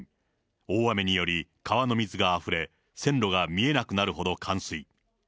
大雨により、川の水があふれ、線路が見えなくなるほど冠水。